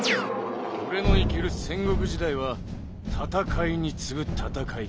おれの生きる戦国時代は戦いに次ぐ戦い。